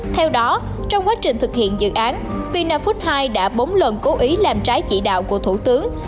theo đó trong quá trình thực hiện dự án vina food hai đã bốn lần cố ý làm trái chỉ đạo của thủ tướng